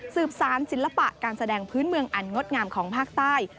สารศิลปะการแสดงพื้นเมืองอันงดงามของภาคใต้